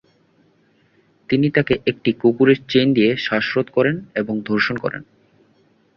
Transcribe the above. তিনি তাকে একটি কুকুরের চেইন দিয়ে শ্বাসরোধ করেন এবং ধর্ষণ করেন।